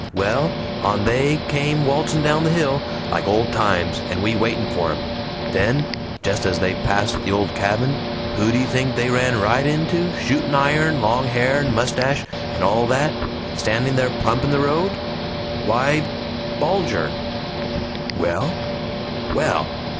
Well, on they came waltzing down the hill, like old times, and we waitin' for 'em. Then, jest as they passed the old cabin, who do you think they ran right into shooting iron, long hair and mustache, and all that standing there plump in the road? why, Bulger!" "Well?" "Well!